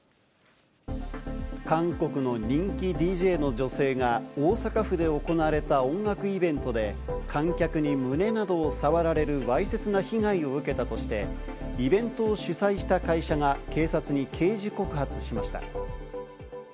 韓国の人気ＤＪの女性が、大阪府で行われた音楽イベントで、観客に胸などを触られるわいせつな被害を受けたとして、イベントを主催した会社が警察に刑事告発しました。